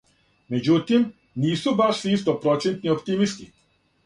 Међутим, нису баш сви стопроцентни оптимисти.